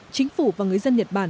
chính phủ và người dân nhật bản